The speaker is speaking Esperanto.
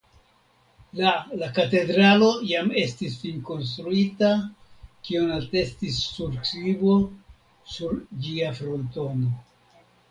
La la katedralo jam estis finkonstruita kion atestis surskribo sur ĝia frontono.